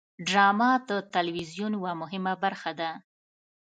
ډرامه د تلویزیون یوه مهمه برخه ده